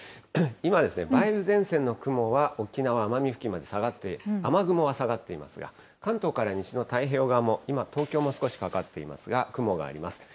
今ですね、梅雨前線の雲は沖縄・奄美付近まで下がって、雨雲は下がっていますが、関東から西の太平洋側も今、東京も少しかかっていますが、雲があります。